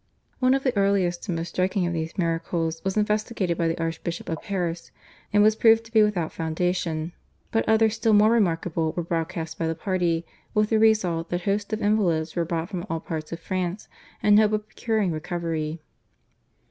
One of the earliest and most striking of these miracles was investigated by the Archbishop of Paris and was proved to be without foundation, but others still more remarkable were broadcast by the party, with the result that hosts of invalids were brought from all parts of France in the hope of procuring recovery.